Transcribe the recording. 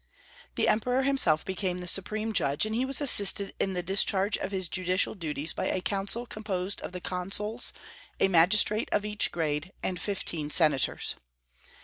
The Emperor himself became the supreme judge, and he was assisted in the discharge of his judicial duties by a council composed of the consuls, a magistrate of each grade, and fifteen senators.